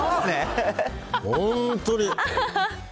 本当に。